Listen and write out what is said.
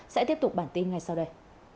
sẽ tiếp tục bản tin ngay sau đây